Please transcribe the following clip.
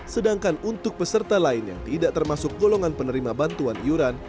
sedangkan untuk peserta lain yang tidak termasuk golongan penerima bantuan iuran